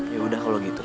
ya udah kalau gitu